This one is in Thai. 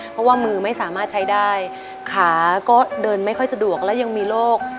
เพราะว่ามือไม่สามารถใช้ได้ขาก็เดินไม่ค่อยสะดวกและยังมีโรค